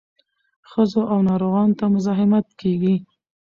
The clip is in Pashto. ښځو او ناروغانو ته مزاحمت کیږي.